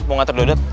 mau ngantar dodot